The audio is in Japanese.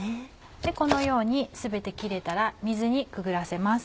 このように全て切れたら水にくぐらせます。